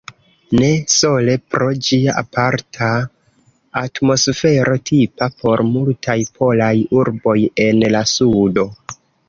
Ne sole pro ĝia aparta atmosfero, tipa por multaj polaj urboj en la sudo.